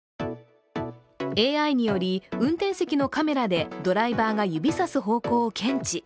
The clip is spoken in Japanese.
ＡＩにより運転席のカメラでドライバーが指さす方向を検知。